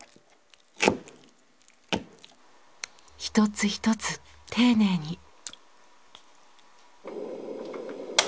一つ一つ丁寧に。